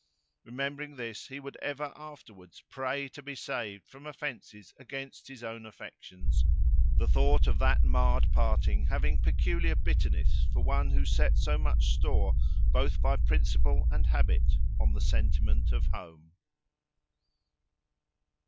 Remembering this he would ever afterwards pray to be saved from offences against his own affections; the thought of that marred parting having peculiar bitterness for one, who set so much store, both by principle and habit, on the sentiment of home.